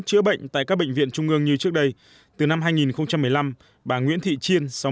chữa bệnh tại các bệnh viện trung ương như trước đây từ năm hai nghìn một mươi năm bà nguyễn thị chiên